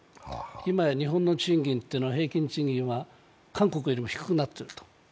今や日本の賃金は平均賃金は韓国よりも低くなっていると。